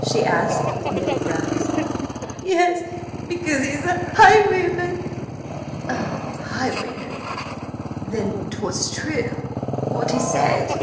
she asked, with knitted brows. "Yes. Because he's a highwayman." "A highwayman! Then 'twas true what he said?